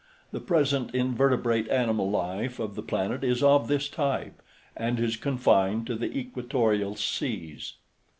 The present invertebrate animal life of the planet is of this type and is confined to the equatorial seas.